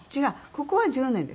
ここは１０年ですね。